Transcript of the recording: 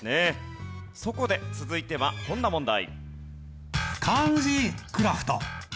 そこで続いてはこんな問題。